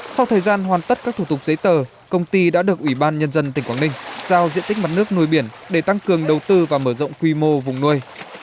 sau thời gian hoàn tất các thủ tục giấy tờ công ty đã được ủy ban nhân dân tỉnh quảng ninh giao diện tích mặt nước nuôi biển để tăng cường đầu tư và mở rộng quy mô vùng nuôi